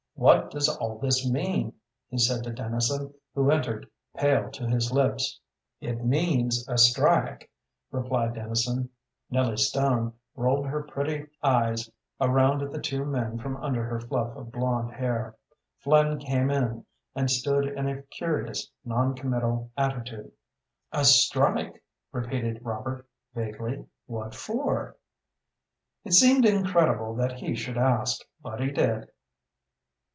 "What does all this mean?" he said to Dennison, who entered, pale to his lips. "It means a strike," replied Dennison. Nellie Stone rolled her pretty eyes around at the two men from under her fluff of blond hair. Flynn came in and stood in a curious, non committal attitude. "A strike!" repeated Robert, vaguely. "What for?" It seemed incredible that he should ask, but he did.